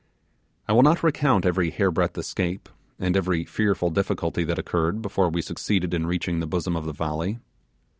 I will not recount every hair breadth escape, and every fearful difficulty that occurred before we succeeded in reaching the bosom of the valley.